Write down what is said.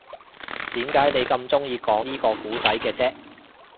點解你咁鍾意講依個故仔嘅啫